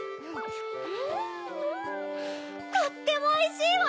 とってもおいしいわ！